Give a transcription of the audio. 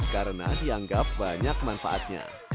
karena dianggap banyak manfaatnya